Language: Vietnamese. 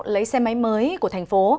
lấy xe máy mới của thành phố